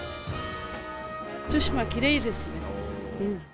対馬きれいですね。